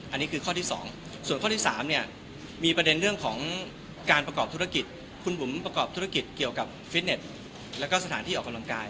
อันนี้คือข้อที่๒ส่วนข้อที่๓เนี่ยมีประเด็นเรื่องของการประกอบธุรกิจคุณบุ๋มประกอบธุรกิจเกี่ยวกับฟิตเน็ตแล้วก็สถานที่ออกกำลังกาย